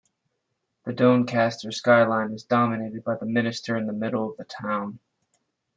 The Doncaster skyline is dominated by the minster in the middle of the town.